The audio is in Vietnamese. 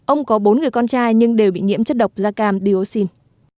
ông có bốn người con trai nhưng đều bị nhiễm chất độc da cam dioxin